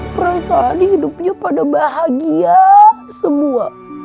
perasaan hidupnya pada bahagia semua